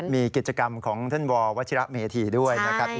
มีกิจกรรมของเธอนักฐานบอร์วัชิระเหมฤษฐ์ด้วยนะครับใช่